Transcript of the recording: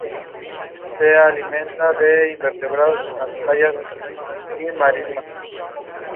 She would spend her later years translating the work of Francis Grierson into Dutch.